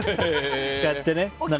こうやってね